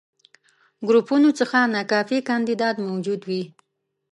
ګروپونو څخه ناکافي کانديدان موجود وي.